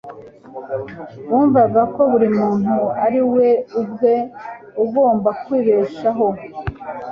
bumvaga ko buri muntu ari we ubwe ugomba kwibeshaho,